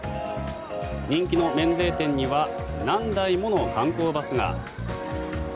人気の免税店には何台もの観光バスが。